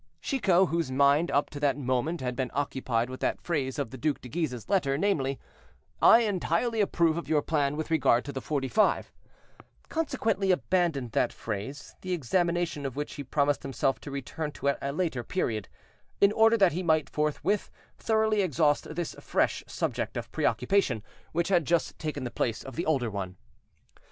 Chicot, whose mind up to that moment had been occupied with that phrase of the Duc de Guise's letter, namely, "I entirely approve of your plan with regard to the Forty five," consequently abandoned that phrase, the examination of which he promised himself to return to at a later period, in order that he might forthwith thoroughly exhaust this fresh subject of preoccupation, which had just taken the place of the older one.